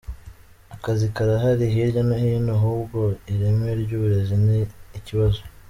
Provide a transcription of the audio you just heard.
Akazi karahari hirya no hino ahubwo ireme ry’uburezi ni ikibazo.”